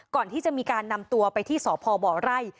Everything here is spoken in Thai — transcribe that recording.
ก่อนที่จะมีการนำตัวไปที่สพบไร่